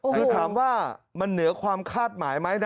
คือถามว่ามันเหนือความคาดหมายไหมนะ